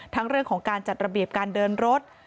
เรื่องของการจัดระเบียบการเดินรถ